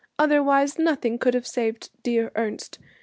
Otherwise nothing could have saved dear Ernest.